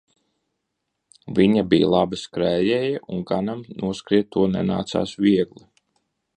Viņa bija laba skrējēja un ganam noskriet to nenācās viegli.